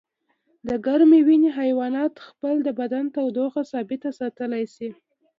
د ګرمې وینې حیوانات خپل د بدن تودوخه ثابته ساتلی شي